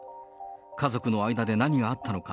家族の間で何があったのか。